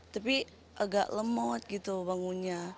tapi agak lemot gitu bangunnya